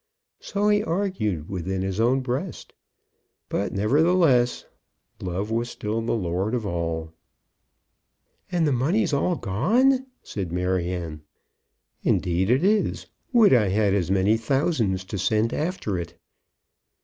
So he argued within his own breast. But nevertheless, Love was still the lord of all. "And the money's all gone?" said Maryanne. "Indeed it is. Would I had as many thousands to send after it."